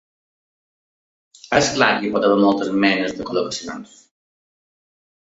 És clar que hi pot haver moltes menes de col·locacions.